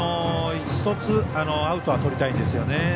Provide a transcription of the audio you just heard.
１つアウトはとりたいんですよね。